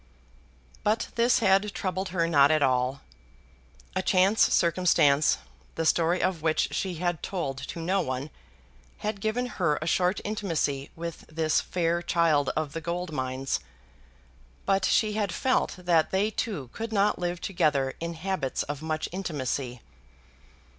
But this had troubled her not at all. A chance circumstance, the story of which she had told to no one, had given her a short intimacy with this fair child of the gold mines, but she had felt that they two could not live together in habits of much intimacy.